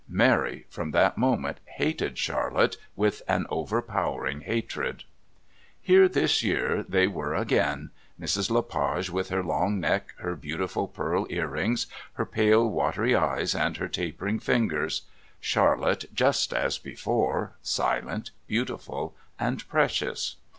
Mary, from that moment, hated Charlotte with an overpowering hatred. Here this year they were again. Mrs. Le Page with her long neck, her beautiful pearl ear rings, her pale watery eyes and her tapering fingers; Charlotte just as before, silent, beautiful and precious.